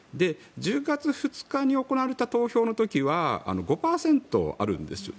１０月２日に行われた投票の時は５％あるんですよ。